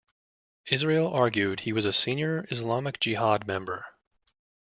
Israel argued, he was a senior Islamic Jihad member.